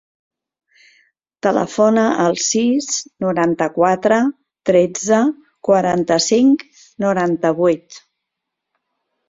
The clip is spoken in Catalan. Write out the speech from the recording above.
Telefona al sis, noranta-quatre, tretze, quaranta-cinc, noranta-vuit.